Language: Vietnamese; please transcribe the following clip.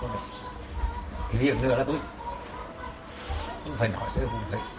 vì việc nữa là tôi không phải nói với đứa không phải